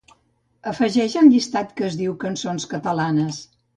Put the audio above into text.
Afegeix el llistat que es diu "cançons catalanes".